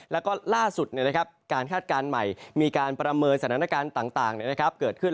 แล้วก็ล่าสุดการคาดการณ์ใหม่มีการประเมินสถานการณ์ต่างเกิดขึ้น